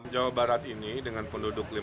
jawa barat ini dengan terima kasih